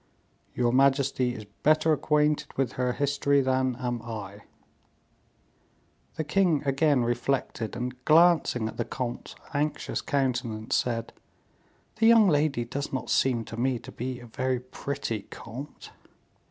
"Your majesty is better acquainted with her history than am I." The king again reflected, and glancing at the comte's anxious countenance, said: "The young lady does not seem to me to be very pretty, comte."